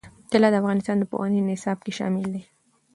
طلا د افغانستان د پوهنې نصاب کې شامل دي.